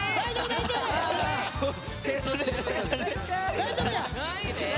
大丈夫や。